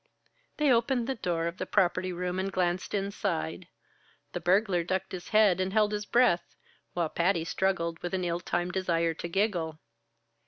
They opened the door of the property room and glanced inside. The burglar ducked his head and held his breath, while Patty struggled with an ill timed desire to giggle.